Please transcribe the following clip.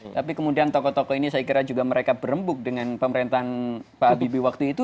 tapi kemudian toko toko ini saya kira mereka juga berembuk dengan pemerintahan pak habibie waktu itu